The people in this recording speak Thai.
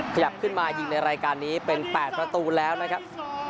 ขยับขึ้นมายิงในรายการนี้เป็น๘ประตูแล้วนะครับ